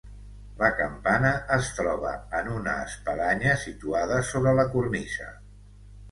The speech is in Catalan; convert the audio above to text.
La campana es troba en una espadanya situada sobre la cornisa.